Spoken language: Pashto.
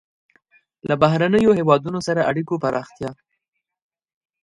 له بهرنیو هېوادونو سره اړیکو پراختیا.